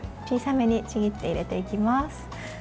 小さめにちぎって入れていきます。